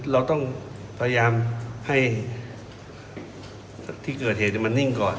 เราต้องพยายามให้ที่เกิดเหตุมันนิ่งก่อน